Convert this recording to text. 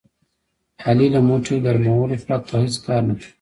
علي له موټي ګرمولو پرته هېڅ کار نه کوي.